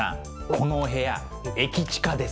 このお部屋駅近です。